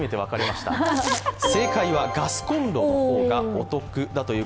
正解はガスコンロの方がお得です。